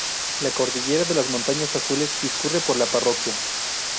La cordillera de las montañas azules discurre por la parroquia.